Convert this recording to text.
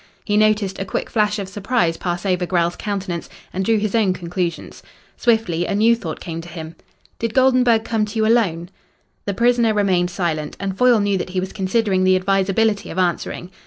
He noticed a quick flash of surprise pass over Grell's countenance and drew his own conclusions. Swiftly a new thought came to him. "Did Goldenburg come to you alone?" The prisoner remained silent, and Foyle knew that he was considering the advisability of answering.